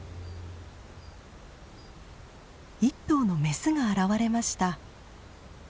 １頭のメスが現れました。